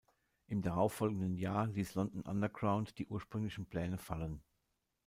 Im darauf folgenden Jahr ließ London Underground die ursprünglichen Pläne fallen.